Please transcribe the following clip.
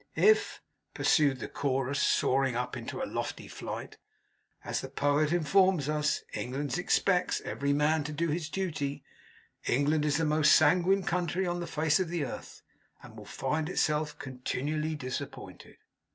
If,' pursued the Chorus, soaring up into a lofty flight, 'as the poet informs us, England expects Every man to do his duty, England is the most sanguine country on the face of the earth, and will find itself continually disappointed.